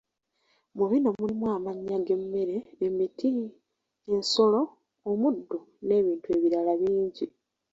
Mu bino mulimu amannya g’emmere, emiti, ensolo, omuddo, n’ebintu ebirala bingi.